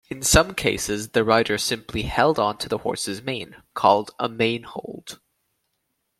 In some cases, the rider simply held onto the horse's mane, called a mane-hold.